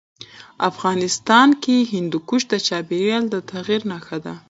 افغانستان کې هندوکش د چاپېریال د تغیر نښه ده.